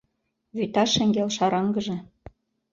Вӱта шеҥгел шараҥгыже